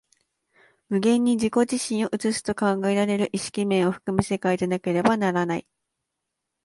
無限に自己自身を映すと考えられる意識面を含む世界でなければならない。